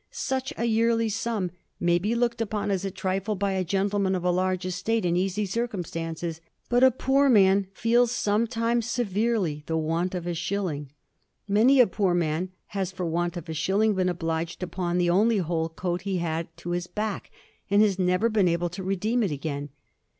Such a yearly sum ' may be looked upon as a trifle by a gentleman of a large estate and easy circumstances, but a poor man feels sometimes severely the want of a shilling ; many a poor man has for want of a shilling been obliged to pawn the only whole coat he had to his back, and has never been able to redeem it again.